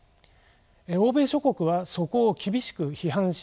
欧米諸国はそこを厳しく批判します。